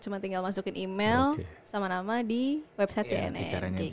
cuma tinggal masukin email sama nama di website cnn